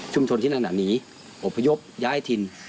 ชุมชนที่นั่นน่ะมีอพยพยาไอทิน